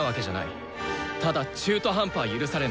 ただ中途半端は許されない。